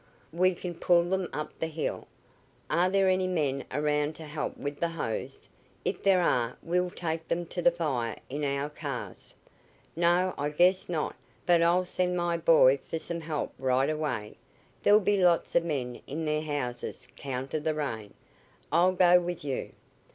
"We can pull them up the hill. Are there any men around to help with the hose? If there are we'll take them to the fire in our cars." "No, I guess not; but I'll send my boy for some help right away. There'll be lots of men in their houses 'count of the rain. I'll go with you."